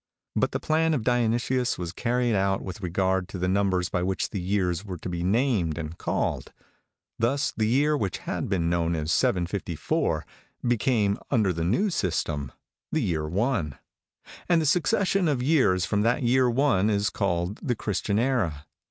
But the plan of Dionysius was carried out with regard to the numbers by which the years were to be named and called. Thus the year which had been known as 754 became, under the new system, the year 1. And the succession of years from that year 1 is called the Christian era.